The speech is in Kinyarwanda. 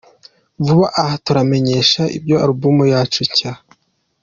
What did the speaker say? Vuba aha turabamenyesha ibya Album yacu nshya.